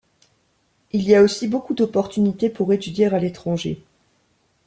Il y a aussi beaucoup d'opportunités pour étudier à l'étranger.